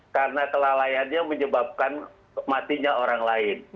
karena kelalaiannya menyebabkan matinya orang lain